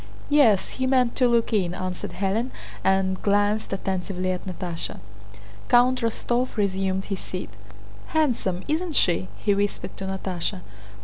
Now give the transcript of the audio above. "Yes, he meant to look in," answered Hélène, and glanced attentively at Natásha. Count Rostóv resumed his seat. "Handsome, isn't she?" he whispered to Natásha.